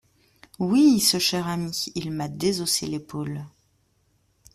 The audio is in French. Oui, ce cher ami, il m’a désossé l’épaule…